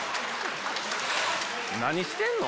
何してんの？